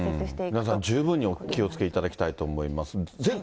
皆さん、十分にお気をつけいただきたいと思います。